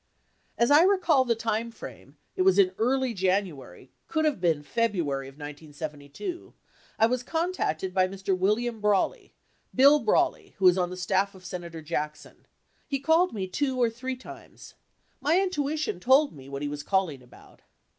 473 As I recall the time frame, it was in early January, could have been February of 1972, 1 was contacted by Mr. William Brawley, Bill Brawley, who is on the staff of Senator Jack son. He called me two or three times. My intuition told me what he was calling about.